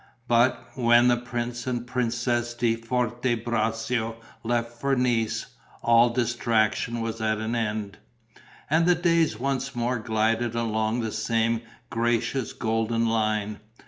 But, when the Prince and Princess di Forte Braccio left for Nice, all distraction was at an end; and the days once more glided along the same gracious golden line.